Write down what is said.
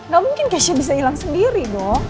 gak mungkin kesha bisa hilang sendiri dong